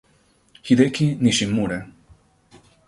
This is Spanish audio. Hideki Nishimura